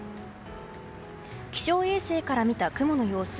気象衛星から見た雲の様子。